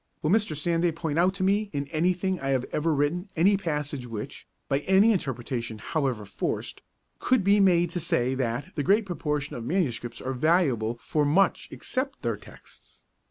Will Mr. Sanday point out to me in anything I have ever written any passage which, by any interpretation however forced, could be made to say that the great proportion of manuscripts are valuable for much except their texts?